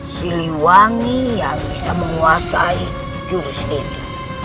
siliwangi yang bisa menguasai jurus ini